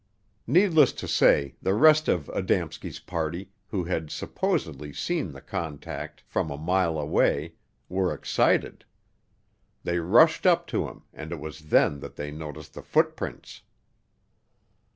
Needless to say, the rest of Adamski's party, who had supposedly seen the "contact" from a mile away, were excited. They rushed up to him and it was then that they noticed the footprints.